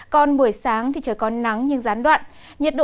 còn buổi sáng thì trời còn nắng nhưng gián đoạn